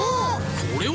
これは！